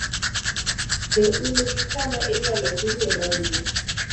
be un gi kama inyalo timie nonro?